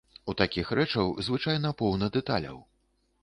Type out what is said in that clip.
У такіх рэчаў, звычайна, поўна дэталяў.